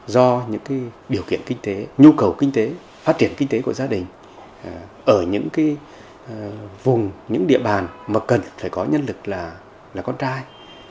do những điều kiện kinh tế nhu cầu kinh tế phát triển kinh tế của gia đình ở những vùng những địa bàn mà cần phải có nhân lực là con trai